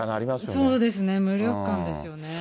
そうですね、無力感ですよね。